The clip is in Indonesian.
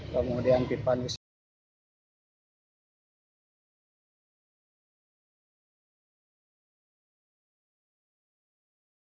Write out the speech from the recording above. kemudian pipa nusantara